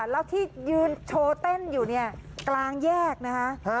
แล้วที่ยืนโชว์เต้นอยู่เนี่ยกลางแยกนะคะ